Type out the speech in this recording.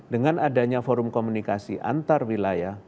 dengan adanya forum komunikasi antarwilayah